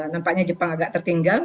nampaknya jepang agak tertinggal